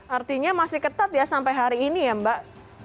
artinya masih ketat ya sampai hari ini ya mbak